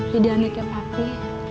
jadi anaknya papi